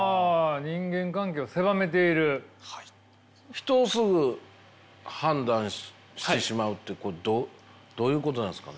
人をすぐ判断してしまうってこれはどういうことなんですかね。